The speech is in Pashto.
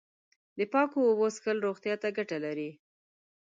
د پاکو اوبو څښل روغتیا ته گټه لري.